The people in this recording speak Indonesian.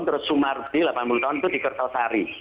terus sumardi delapan puluh tahun itu di kertosari